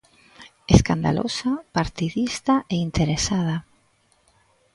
"Escandalosa, partidista e interesada".